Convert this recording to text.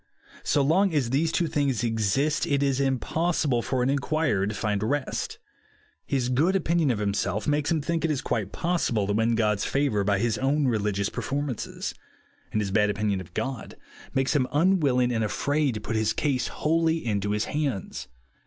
So long as these two things exist, it is impossible for an mquirer to find rest. His good opinion ot himself makes him think it quite possible to win God's favour by his own religious perform ances ; and his bad opinion of God makes Lim unwilling and afraid to put his case OUR RESTING I'LACE 85 wholy mto his hands.